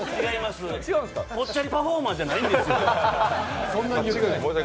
ぽっちゃりパフォーマーじゃないです。